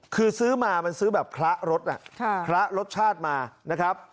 คือซื้อมามันซื้อแบบคละรสคละรสชาติมานะครับ